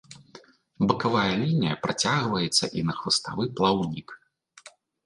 Бакавая лінія працягваецца і на хваставы плаўнік.